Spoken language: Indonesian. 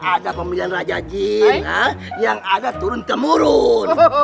ada pemilihan raja jin yang ada turun temurun